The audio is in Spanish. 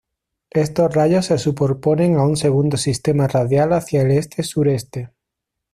Estos rayos se superponen a un segundo sistema radial hacia el este-sureste.